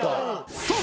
そう